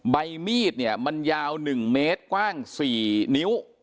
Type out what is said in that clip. ใบมีดเนี่ยมันยาว๑เมตรกว้าง๔นิ้ว